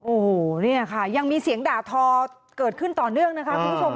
โอ้โหเนี่ยค่ะยังมีเสียงด่าทอเกิดขึ้นต่อเนื่องนะคะคุณผู้ชม